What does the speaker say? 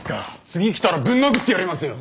次来たらぶん殴ってやりますよ！